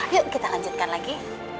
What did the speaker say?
yuk kita lanjutkan lagi